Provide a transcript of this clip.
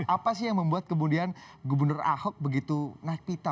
apa sih yang membuat kemudian gubernur ahok begitu naik pita